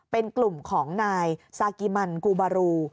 เป็นกลุ่มของนายซากิมันกูบารู